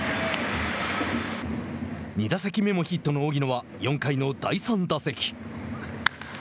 ２打席目もヒットの荻野は４回の第３打席。